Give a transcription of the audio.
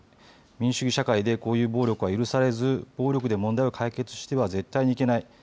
民主主義社会でこういう暴力は許されず暴力で問題を解決しては絶対にいけない。